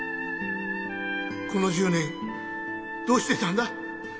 この１０年どうしてたんだ？